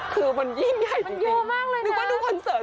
คือมันยิ่งใหญ่จริงนึกว่าดูคอนเสิร์ต